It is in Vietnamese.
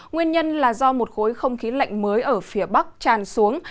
nguyên nhân là do một khối không khí lạnh mới ở phía bắc tràn xuống